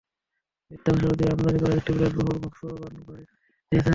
মিথ্যা ঘোষণা দিয়ে আমদানি করা একটি বিলাসবহুল ভক্সওয়াগন গাড়ি মালিক ফেরত দিয়েছেন।